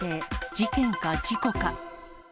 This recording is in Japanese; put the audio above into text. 事件か事故か。